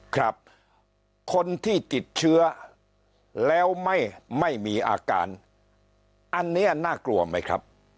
ครับคนที่ติดเชื้อแล้วไม่มีอาการอันนี้น่ากลัวไหมครับ